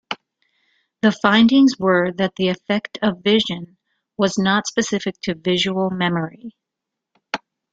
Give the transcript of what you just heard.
The findings were that the effect of vision was not specific to visual memory.